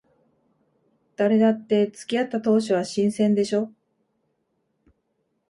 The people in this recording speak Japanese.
誰だって付き合った当初は新鮮でしょ。